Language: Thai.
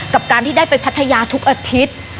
ท่านที่ไปพัทยาทุกอาทิตย์